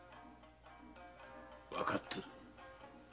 わかってる。